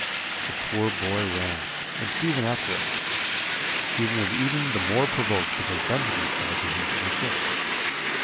The poor boy ran, and Stephen after him. Stephen was even the more provoked because Benjamin cried to him to desist.